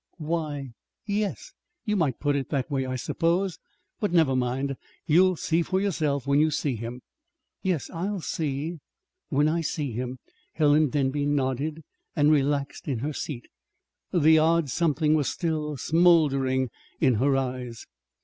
"Why, y yes; you might put it that way, I suppose. But never mind. You'll see for yourself when you see him." "Yes, I'll see when I see him." Helen Denby nodded and relaxed in her seat. The odd something was still smouldering in her eyes.